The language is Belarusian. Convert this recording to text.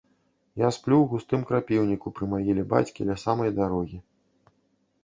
Я сплю ў густым крапіўніку пры магіле бацькі ля самай дарогі.